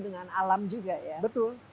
dengan alam juga ya betul